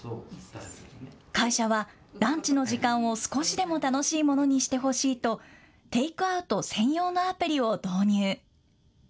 会社はランチの時間を少しでも楽しいものにしてほしいとテイクアウト専用のアプリを導入。